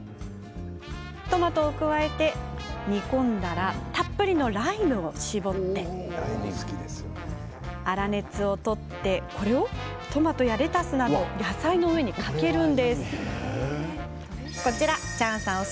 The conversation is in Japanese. トマトを加えて煮込んだらたっぷりのライムを搾って粗熱を取ったらこれをトマトやレタスなど野菜の上にかけます。